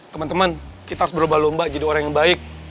teman teman kita harus berubah lomba jadi orang yang baik